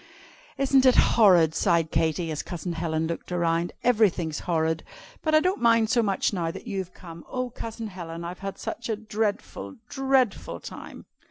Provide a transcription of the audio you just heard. "Isn't it horrid?" sighed Katy, as Cousin Helen looked around. "Everything's horrid. But I don't mind so much now that you've come. Oh, Cousin Helen, I've had such a dreadful, dreadful time!"